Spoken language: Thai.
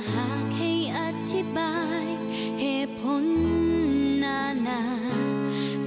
หากให้อธิบายเหตุผลนานา